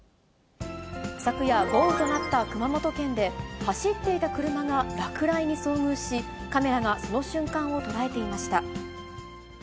昨夜、豪雨となった熊本県で、走っていた車が落雷に遭遇し、カメラがその瞬間を捉えていました。